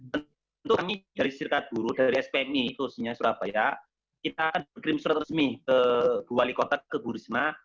tentu kami dari sirkat buruh dari spmi itu sinyal surabaya kita akan berkirim surat resmi ke wali kota ke burisma